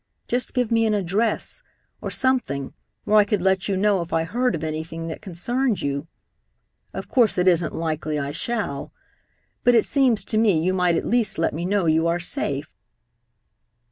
Just give me an address, or something, where I could let you know if I heard of anything that concerned you. Of course it isn't likely I shall, but it seems to me you might at least let me know you are safe."